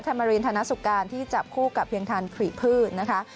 มารินธนสุการที่จับคู่กับเพียงทันผลิพืชนะคะ